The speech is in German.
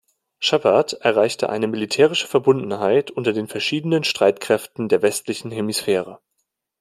Shepherd erreichte eine militärische Verbundenheit unter den verschiedenen Streitkräften der westlichen Hemisphäre.